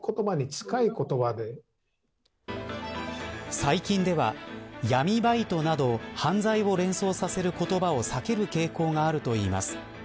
最近では、闇バイトなど犯罪を連想させる言葉を避ける傾向があるといいます。